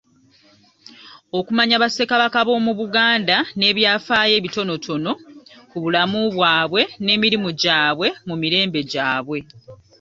Okumanya Bassekabaka b'omu Buganda n'ebyafaayo ebitonotono ku bulamu bwabwe n'emirimu gyabwe mu mirembe gyabwe.